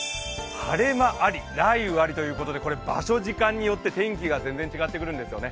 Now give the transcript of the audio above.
晴れ間あり、雷雨ありということで場所、時間によって天気が全然違ってくるんですよね。